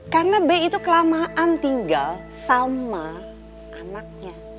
karena be itu kelamaan tinggal sama anaknya